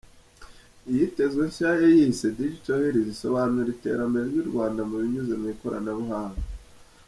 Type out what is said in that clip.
Iyitezwe nshya yayise "Digital Hills" isobanura iterambere ry’u Rwanda mu binyuze mu ikoranabuhanga.